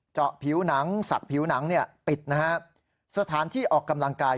เจาะผิวหนังสักผิวหนังเนี่ยปิดนะฮะสถานที่ออกกำลังกาย